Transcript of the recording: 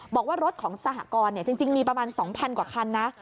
บอกว่ารถของสหกรณ์จริงมีประมาณ๒๐๐กว่าคันนะ